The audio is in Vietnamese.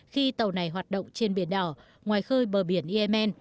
khi tàu này hoạt động trên biển đỏ ngoài khơi bờ biển yemen